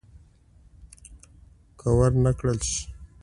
که ور نه کړل شي.